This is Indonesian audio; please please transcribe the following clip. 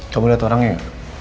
kamu lihat orangnya